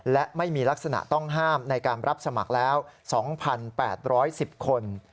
และไม่มีลักษณะต้องห้ามในการรับสมัครแล้ว๒๘๑๐คน